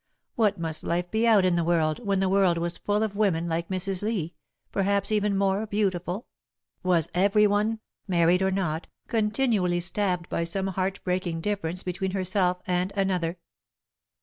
What must life be out in the world, when the world was full of women like Mrs. Lee, perhaps even more beautiful? Was everyone, married or not, continually stabbed by some heart breaking difference between herself and another?